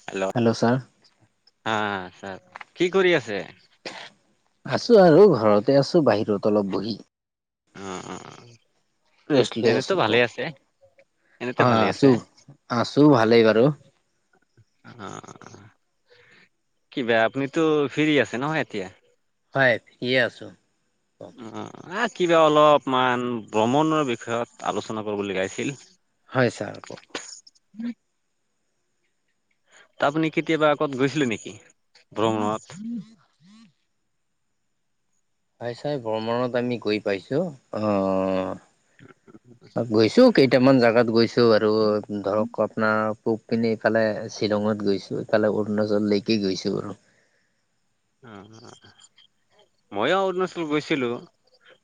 Hello? হা sir কি কৰি আছে? আছোঁ আৰু ঘৰতে আছো বাহিৰত অলপ বহি। অ অ অ। ৰেষ্ট লৈ আছো ক এনেতে অ ভালে আছে আছো আছো ভালেই বাৰু। অ কিবা আপুনিতো ফিৰি আছে নহয় এতিয়া। হয় ফ্ৰি আছো। কওক অ কিবা অলপমান ভ্ৰমণৰ বিষয়ত আলোচনা কৰিব লগীয়া হৈছিল। হয় ছাৰ ক উম'। আপুনি কেতিয়াবা আগত গৈছিলে নেকি ভ্ৰমণত? চাই-চাই ভ্ৰমণত আমি গৈ পাইছো, অ'। গৈছো কেইটামান জাগাত গৈছো আৰু ধৰক আপোনাৰ পূব পিনে ইফালে শ্বিলঙত গৈছো ইফালে অৰুণাচল লৈকে গৈছো আৰু। উ', মইয়ো অৰুণাচল গৈছিলো।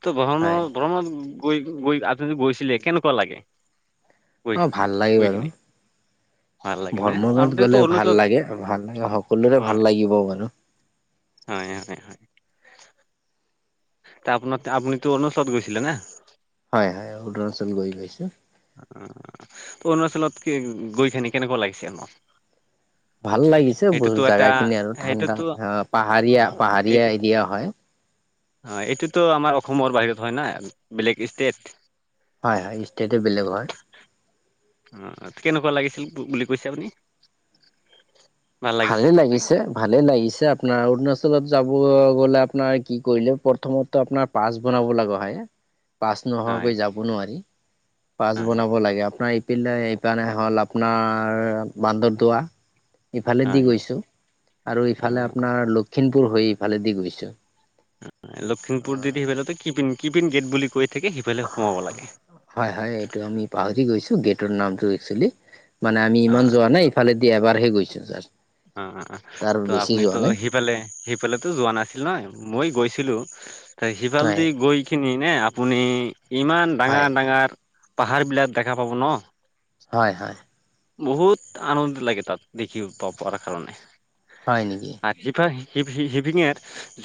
ত হয় ভ্ৰমণ-ভ্ৰমত গৈ-গৈ আপুনি গৈছিলে কেনেকুৱা লাগে? গৈ অ', ভাল লাগে বাৰু। গৈখিনি ভাল লাগে নে ভ্ৰমণত আপুনিতো গলে ভাল অৰুণাচল লাগে-ভাল লাগে সকলোৰে ভাল লাগিব বাৰু। হয়'-হয়'-হয়'। আপোনা আপুনি তো অৰুণাচলত গৈছিলে না? হয়'-হয়', অৰুণাচল গৈ পাইছো। অৰুণাচলত কি গৈখিনি কেনেকুৱা লাগিছে মন? ভাল লাগিছে বহু জাগা খিনি আৰু ঠাণ্ডা সেইটোতো অ, অ পাহাৰীয়া পাহাৰীয়া এইটো এৰিয়া হয়। অ', এইটোতো আমাৰ অসমৰ বাহিৰত হয় না বেলেগ ষ্টেট? হয়'-হয়', ষ্টেট বেলেগ হয়। অ', কেনেকুৱা লাগিছিল বুলি কৈছে আপুনি? ভাল লাগিছে ভালে লাগিছে-ভালে লাগিছে আপোনাৰ অৰুণাচল যাব গলে আপোনাৰ কি কৰিলে প্ৰথমো আপোনাৰ পাছ বনাব লগা হয়। পাছ হয় নোহোৱাকৈ যাব নোৱাৰি। পাছ হয় বনাব লাগে আপোনাৰ পাই এইপিনে হ'ল আপোনাৰ বান্দৰদোৱা। ইফালেদি হয় গৈছো আৰু অ ইফালে আপোনাৰ লখিমপুৰ হৈ ইফালেদি গৈছো। লখিমপুৰ দি-দি গলেটো কিপিন-কিপিন গেট বুলি কয়? হয়'-হয়', এইটো আমি পাহৰি গৈছো। গেটৰ নামটো একচেলি মানে আমি অ ইমান যোৱা নাই ইফালে দি এবাৰহে গৈছো যাষ্ট। অ'-অ', ত আপুনিতো সিফালে, সিফালে তো যোৱা নাছিল নহয়? মই গৈছিলোঁ ত সিফাল হয়, দি গৈখিনি নে আপুনি ইমান হয়, ডাঙৰ-ডাঙৰ পাহাৰ বিলাক দেখা পাব ন? হয়, হয়, বহুত আনন্দ লাগে তাত দেখি প পোৱাৰ কাৰণে হয় নেকি? পাহি-পাহি সি-সি সিপিনে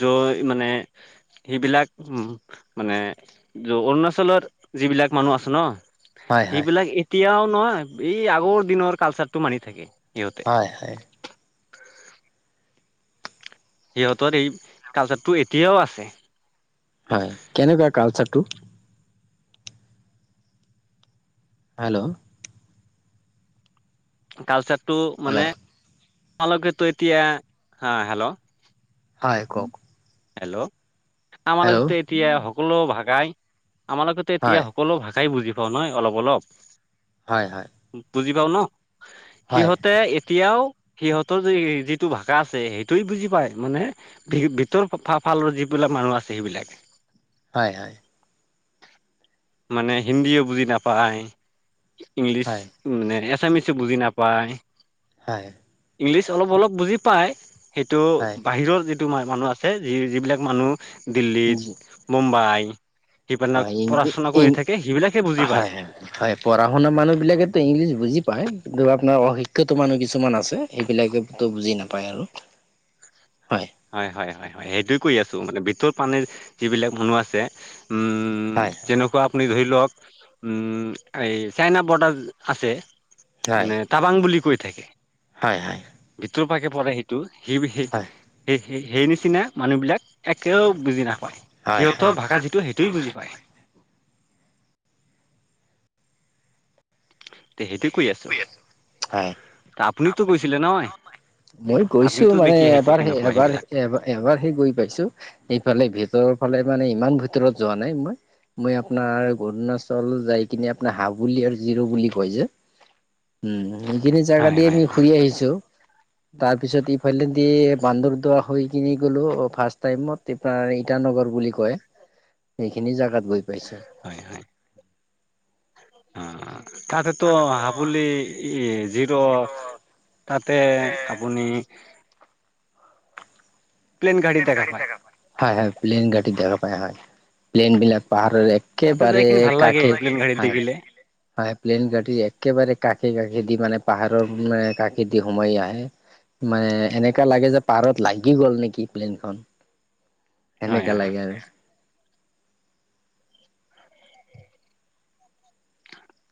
যয় মানে সেইবিলাক উম, মানে অৰুণাচলৰ যিবিলাক মানুহ আছে ন? হয়, হয়, সেইবিলাক এতিয়াও নহয় এই আগৰ দিনৰ কালচাৰটো মানি থাকে সিহঁতে হয় হয় সিহঁতৰ এই কালচাৰটো এতিয়াও আছে হয় কেনেকুৱা কালচাৰটো হেল্ল' কালচাৰটো মানে হেল্ল', তোমালোকেতো এতিয়া হা হেল্ল' হয় কওক হেল্ল' আমাৰ হেল্ল', লগতে এতিয়া সকলো ভাষাই আমাৰ লগতে এতিয়া হয়, সকলো ভাষ- খাই বুজি পাওঁ, নহয় অলপ অলপ হয় হয় বুজি পাও ন, হয়, সিহঁতে এতিয়াও সিহঁতৰ যে যিটো ভাষা আছে সেইটোে বুজি পায় মানে ভিতৰ ফালৰ যিবিলাক মানুহ আছে সেইবিলাকে। হয়'-হয়'। মানে হিন্দীয়েও বুজি নাপায়, ইংলিছ হয়, হয়, মানে আছামিছও বুজি নাপায়। হয়। ইংলিছ অলপ-অলপ বুজি পায় সেইটো হয়। বাহিৰৰ যিটো ম-মানুহ আছে যি-যিবিলাক মানুহ জি। দিল্লীত মুম্বাই সেইবিলাক হয়, ইংলি পঢ়াচুনা ইং কৰি থাকে সেইবিলাক হয় হয় হয় পঢ়া শুনা মানুহ বিলাকেতো ইংলিছ বুজি পায় কিন্তু আপোনাৰ অশিক্ষিত শিত মানুহ কিছুমান আছে সেইবিলাকেতো বুজি নাপায় আৰু হয় হয় হয় হয় সেইটো কৰি আছো মানে ভিতৰত পানীৰ যিবিলাক মানুহ আছে হয়, তেনেকুৱা আপুনি ধৰি লওক উম এই চাইনা বৰ্ডাৰ আছে হয়, মানে টাবাং বুলি কৈ। থাকে হয় হয় ষাকে পৰে সেইটো সেই হয়, সেই সেই নিচিনা মানুহ বিলাক একেও বুজি নাপায় হয়, সিহঁতৰ ভাষা যিটো সেইটোৱে হয়, বুজি পায়। তে সেইটো কৈ আছো হয়। আপুনতো কৈছিলে নহয় মই গৈছো আপুনিতো মানে দেখি আহিছে এবাৰ কেনেকুৱা এবাৰ সেইবিলাক এবাৰ এবাৰ সে গৈ পাইছো সেফালে ভিতৰত ফালে মানে ইমান ভিতৰত যোৱা নাই মই মই আপোনাৰ অৰুণাচল যাই কিনে আপোনাৰ হাবুলি আৰু জিৰো বুলি কৈ যে [inaudible] উম সেই খিনি জাগা হয় দি হয় আমি হয় ঘুৰি আহিছো তাৰ পিছত ই ফালেদি বান্দৰদোৱা হৈ কিনি গ'লো ফাৰ্ষ্ট টাইমত ইটানগৰ বুলি কয় সেইখিনি জোগাত গৈ পাইছ তাৰতেতো হাঁপুলি জিৰ' তে আপুনি প্লেন গাড়ী দেখা পায়, হয় হয় প্লেন গাডী দেখা পায় হয় প্লেন বিলাক পাহাৰৰ তাতে একেবাৰে যাইখিনি ভাল লাগে কষে প্লেন গাড়ীত দেখিলে হয় প্লেন গাড়ীৰ একেবাৰে কাষে কাষে দি মানে পাহাৰৰ মানে কাকেদি দি সোমাই আহে মানে এনেককা লাগে যে পাৰত লাগি গ'ল নেকি প্লেনখন হয় এনেকুৱা হয় লাগে আৰু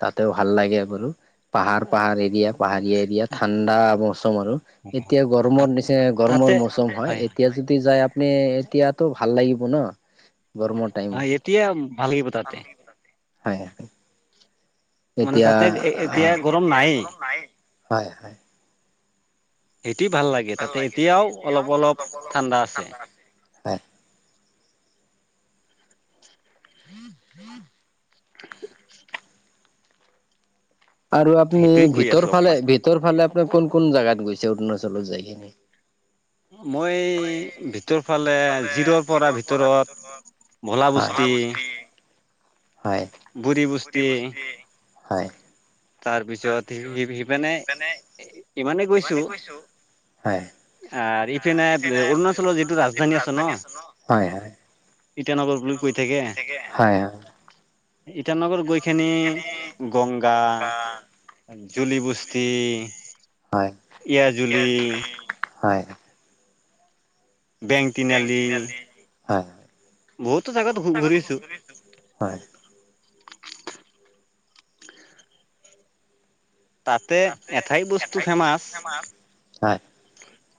তাতেও ভাল লাগে বোলো পাহাৰ পাহাৰ এৰিয়া পাহাৰীয়া এৰিয়া ঠাণ্ডা মৌচম আৰু এতিয়া গৰমৰ নিচিনা গৰমৰ তাতে মৌচম হয় এতিয়া যদি যাই আপুনি এতিয়াতো ভাল লাগিব ন গৰমৰ অ টাইমত এতিয়া ভাল লাগিব তাতে হয় মানে এতিয়া তাতে এ এতিয়া গৰম নাই হয় হয় তি ভাল লাগে তাতে এতিয়াও অলপ অলপ ঠাণ্ডা আছে। হয় [inaudible] [unintelligible] আৰু আপুনি সেইটোৱে কৈ ভিতৰ আছো ফালে আপোনাক ভিতৰ ফালে আপোনাৰ কোন কোন জাগাত গৈছ- অৰুণাচলৰ যায়‌ কিনি মই ভিতৰ ফালে জিৰৰ পৰা ভিতৰত ভোলা হয় বস্তি হয় হয় বুঢ়ী হয় তাৰ পিছত সিপিনে মানে ইমানে গৈছো হয় হয়। আৰু ইপিনে অৰুণাচলৰ যিটো ৰাজধানী আছে ন হয় হয় ইটানগৰ বুলি কৈ থাকে হয় হয় হয় হয় ইটানগৰত গৈ খিনি গংগা জুলি বস্তি এয়া জুলি হয় বেংটিআলি বহুতো জেগাত ঘূ ঘূৰিছো। তাতে এঠাই বস্তু ফেমাছ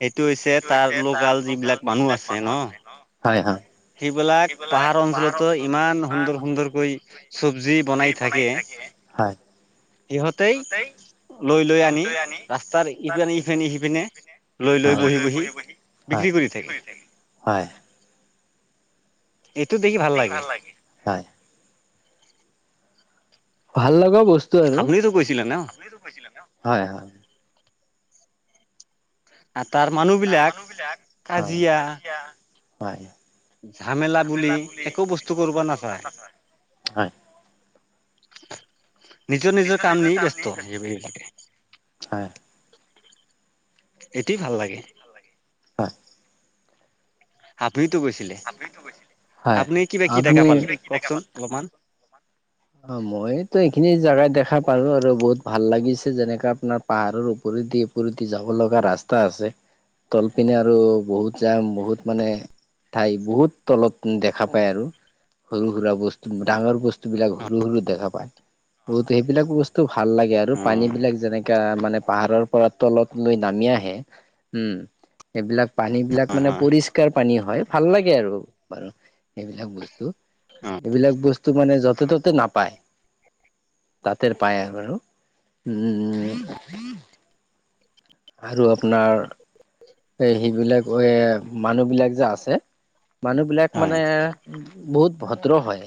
সেইটো হৈছে তাৰ লোকাল যিবিলাক মানুহ আছে ন হয় হয় সেইবিলাক পাহাৰ অঞ্চলতো ইমান সুন্দৰ সুন্দৰকৈ চবজি বনাই থাক- কে হয়। সিহঁতেই লৈ লৈ আনি ৰাস্তাৰ ইপিনে ইপিনে সিপিনে লৈ লৈ বহি বহি হয় বিক্ৰী কৰি কৰি থাকে। হয় এইটো দেখি ভাল লাগে। হয়। ভাল লগা বস্তু আৰু আপুনিতো গৈছিলে ন হয় আৰু তাৰ মানুহ বিলাক হয় কাজিয়া হয় ঝামেলা মেলা বুলি একো বস্তু কৰিব নাচায় [unintelligible] নিজৰ নিজৰ কাম নি ব্যস্ত সেইবিলাকে হয় এটি ভাল লাগে। হয়। দুই টো গৈছিলে হয় আপুনি কিবা কি টকা পালে কওকচোন আপুনি অলপমান অ মইতো এইখিনি জাগা দেখা পালো আৰু বহুত ভাল লাগিছে যেনেকে আপোনাৰ পাহাৰৰ ওপৰেদি ওপৰেদি যাব লগা ৰাস্তা আছে। তলপিনে আৰু বহুত যাম বহুত মানে ঠাই বহুত তলত দেখা পায় আৰু সৰু সুৰা বস্তু ডাঙৰ বস্তু বিলাক সৰু সৰু দেখা পায় বহুতে সেইবিলাক বস্তু ভাল লাগে আৰু অ পানী বিলাক যেনেকা মানে পাহাৰৰ পৰা তলত লৈ নামি আহে উম এইবিলাক পানী বিলাক হয় মানে হয় পৰিষ্কাৰ পানী হয় ভাল লাগে আৰু সেইবিলাক বস্তু অ এইবিলাক বস্তু মানে য'তে ত'তে নাপায় তাঁতেৰ পায়ে আৰু উম আৰু আপোনাৰ এ সেইবিলাক এ মানুহ বিলাক যে আছে মানুহ বিলাক হয় মানে বহুত ভদ্ৰ হয়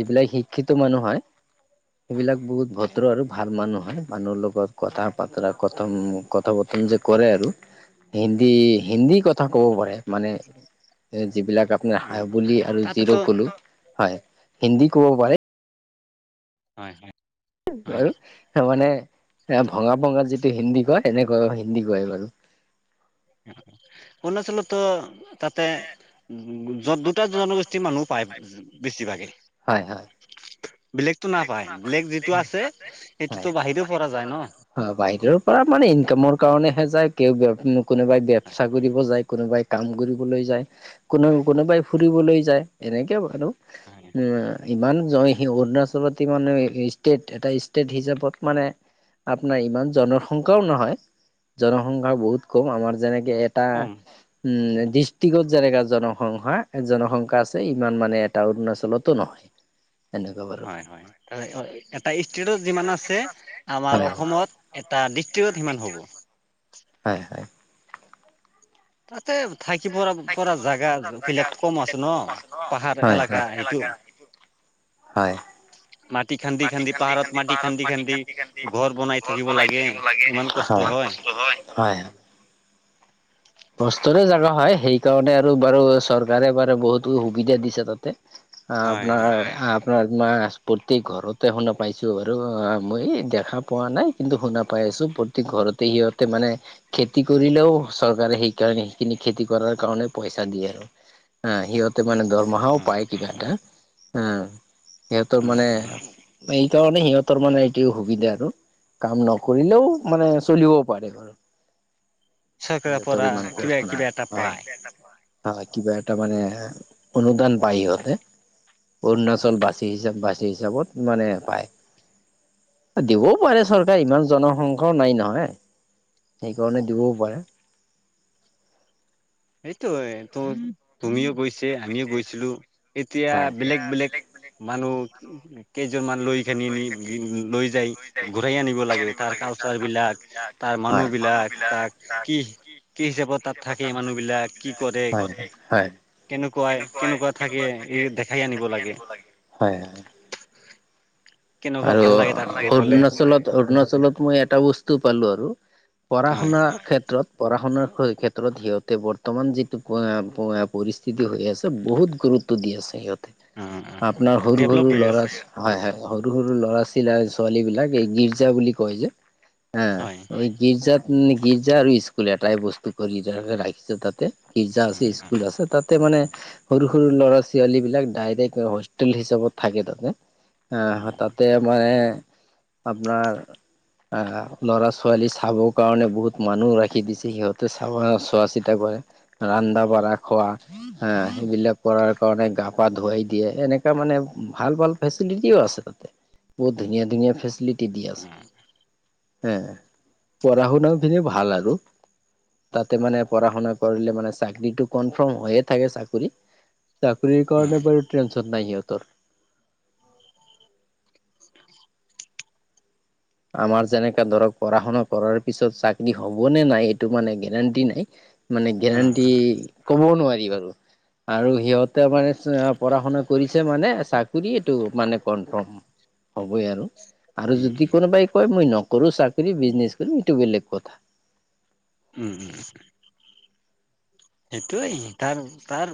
যিবিলাক শিক্ষিত মানুহ হয়। সেইবিলাক বহুত ভদ্ৰ আৰু ভাল মানুহ হয় মানুহৰ লগত কথা বতৰা কথম কথা বথন যে কৰে আৰু হিন্দী হিন্দী কথা ক'ব পাৰে মানে। যিবিলাক আপোনাৰ অ হব আৰু তাতেতো জিৰো কলো হয় হিন্দী ক'ব পাৰে। হয় হয়। হয় আৰু মানে এ ভঙা ভঙাত যিটো হিন্দী কয় এনেকয় হিন্দী কয় বাৰু। অৰুণাচল ত তাতে উ দুটা জনগোষ্ঠীৰ মানুহো পায় হয় হয় বেছিভাগেই বেলেগ। যিটো আছে সেইটোতো বাহিৰেও পৰা যায় ন [unintelligible] বাহিৰৰ পৰা মানে ৰ কাৰণেহে যায় কে কোনোবাই হয় ববচা হয় কৰিব যায় কোনোবাই? কাম কৰিবলৈ যায় কোনো কোনোবাই ফুৰিবলৈ যায় এনেকে বাৰু। উ হয় ইমান জয় সি অৰুণাচলত। মানে ষ্টেট এটা ষ্টেট হিচাপত মানে। আপোনাৰ ইমান জনসংখ্যাও নহয় জনসংখ্যাও বহুত কম আমাৰ যেনেক এটা কম উম ডিষ্ট্ৰিকত যেনেকা জনসংখ্যা জনসংখ্যা আছে ইমান মানে এটা অৰুণাচলতো নহয়। এনেকে বাৰু। হয় এটা ষ্টেত যিমান আছে আমাৰ অসমত এটা ডিষ্ট্ৰিকত সিমান। হ'ব হয় হয়। তাতে থাকি পৰা পৰা জোগা বিলাক কম আছে ন পাহাৰ হয় হয় এলেকা সেইটো [unintelligible] হয় হয়। মাটি খান্দি খান্দি পাহাৰত মাটি খান্দি খান্দি ঘৰ ঘৰ থাকিব বনাই থাকিব লাগে, ইমান কষ্ট হয়। হয় হয়। [unintelligible] কষ্টৰে জাগা হয় সেইকাৰণে আৰু বাৰু চৰকাৰে বাৰু বহুতো সুবিধা দিছে তাতে। হয় হয় আপোনাৰ হয় আপোনাৰ মাছ প্ৰতি ঘৰতে শুনা পাইছো বাৰু অ মই দেখা পোৱা নাই কিন্তু শুনা পাই আছো। প্ৰতি ঘৰতে সিহঁতে মানে খেতি কৰিলেও চৰ সেইকাৰণে সেইখিনি খেতি কৰাৰ কাৰণে পইচা দিয়ে আৰু সিহঁতে মানে দৰমাহাও অ পায় কিবা এটা। হ সিহেতৰ অ মানে অ এই তাৰ মানে সিহঁতৰ মানে এইটো সুবিধা আৰু। কাম নকৰিলেও মানে চলিবও পাৰে ঘৰ। চৰকাৰৰ পৰা কিবা নাই কিবা এটা হয় পায়। হয় কিবা এটা মানে অনুদান পায় সিহঁতে। অ অৰুণাচল বাচি হিচাপ বাচি হিচাপত মানে পায়। দিবও পাৰে চৰকাৰ ইমান জনসংঘ নাই নহয়। সেইকাৰণে দিবও পাৰে। সেইটো হয় ত। তুমিও গৈছে আমিও গৈছিলোঁ এতিয়া হয় বেলেগ বেলেগ মানুহ কেইজনোৰমান লৈ খিনি আনি লৈ যাই ঘূৰাই আনিব লাগে তাৰ কালচাৰ বিলাক। মানুহ হয় বিলাক তাক কি কি হিচাপত তাত থাকে মানুহ। বিলাক কি কৰে হয় হয় কেনেকুৱাই কেনেকুৱা থাকে এই দেখাই আনিব লাগে। হয় হয় কেনেকুৱা আৰু ভাল লাগে তাত গৈ গ'লে অৰুণাচলত অৰুণাচলত মই এটা বস্তু পালো আৰু। পঢ়া হয় শুনাৰ ক্ষেত্ৰত পঢ়া শুনাৰ ক্ষেত্ৰত সিহঁতে বৰ্তমান যিটো পৰিস্থিতি হৈ আছে বহুত গুৰুত গুৰুত্ব দি আছে সিহঁতে। অ অ আপোনাৰ সৰু ডেভলপ সৰু হৈ ল'ৰা আছে হয় হয়। সৰু সৰু ল'ৰা ছাল আৰু ছোৱালী বিলাক এই গীৰ্জা বুলি কয় যে হা হয় এই গীৰ্জাত উম গীৰ্জা আৰু স্কুল এটাই বস্তু কৰি ৰাখিছো তাতে। পিক জা আছে হয় স্কুল হয় আছে তাতে মানে সৰু-সৰু ল'ৰা ছোৱালী বিলাক ডাইৰেক্ট হোষ্টেল হিচাপত থাকে তাতে। আহ হয় তাতে মানে আপোনাৰ আহ ল'ৰা ছোৱালী চাব কাৰণে বহুত মানুহ ৰাখি দিছে সিহঁতে চাব চোৱা চিতা কৰে। ৰান্দ হয় বঢ়া খোৱা, হা সেইবিলাক কৰাৰ কাৰণে গা-পা ধুৱাই দিয়ে এনেকুৱা মানে ভাল-ভাল ফেচিলিটি আছে তাতে বহুত ধুনীয়া-ধুনীয়া ফেচিলিটি দি আছে। হ পঢ়া শুনা পনে ভাল আৰু। তাতে মানে পঢ়া শুনা কৰিলে মানে চাকৰিটো কনফাৰ্ম হৈয়ে থাকে চাকৰি। চাকৰিৰ কাৰণে উম বাৰু টেনচন নাই সিহঁতৰ। আমাৰ যেনেকাে ধৰক পঢ়া শুনা কৰাৰ পিছত চাকৰি হবনে নাই এইটো মানে গেৰেণ্টি নাই। মানে গেৰাণ্টি উম ক'বও নোৱাৰি বাৰু আৰু সিহঁতে মানে পঢ়া শুনা কৰিছে মানে চাকৰিটো মানে কনফৰ্ম। হ'বই আৰু আৰু যদি কোনোবাই কয় মই নকৰো চাকৰি বিজনেছ কৰিম এইটো বেলেগ কথা। উম উম। সেইটোৱেই তাৰ-তাৰ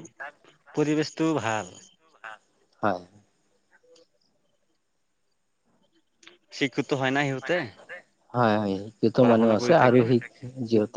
পৰিৱেশটো ভাল। হয়। শিক্ষিত হয় না সিহঁতে হয়'-হয়', সিহঁতৰ পঢ়া মানুহ শুনা আছে কৰি থাকে। আৰু সিক যিহত